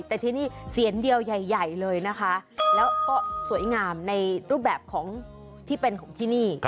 แต่ที่นี่เสียนเดียวใหญ่เลยนะคะแล้วก็สวยงามในรูปแบบของที่เป็นของที่นี่